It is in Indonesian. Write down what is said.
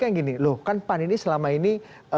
yang gini loh kan pan ini selama ini